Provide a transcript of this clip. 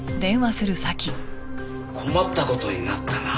困った事になったなあ。